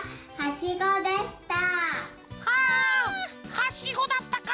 はしごだったか！